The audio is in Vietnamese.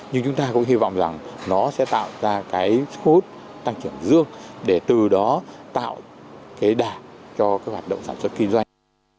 nhưng chúng ta cũng hy vọng rằng nó sẽ tạo ra cái sức hút tăng trưởng dương để từ đó tạo cái đảm cho cái hoạt động sản xuất kinh doanh